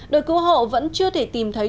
đội cứu hộ vẫn chưa thể tìm thấy